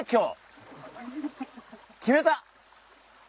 決めた！